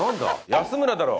安村だろ？